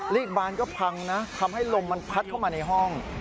กบานก็พังนะทำให้ลมมันพัดเข้ามาในห้อง